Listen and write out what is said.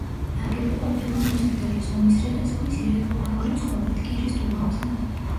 ნაგები ყოფილა მოზრდილი ზომის რიყის ქვის ირეგულარული წყობით, კირის დუღაბზე.